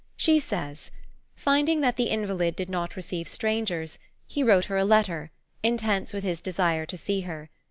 She says: "Finding that the invalid did not receive strangers, he wrote her a letter, intense with his desire to see her.